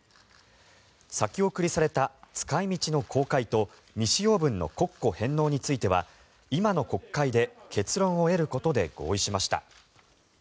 先送りされた使い道の公開と未使用分の国庫返納については今の国会で結論を得ることで合意しました。